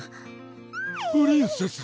・プリンセス！